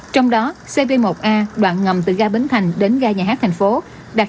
trong đó cp một a đoạn ngầm từ gai bến thành đến gai nhà hát thành phố đạt chín mươi sáu bảy